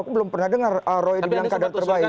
aku belum pernah dengar roy bilang kader terbaik